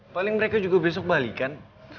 paling mereka juga besok balikan